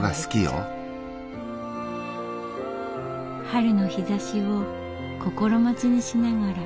春の日ざしを心待ちにしながら。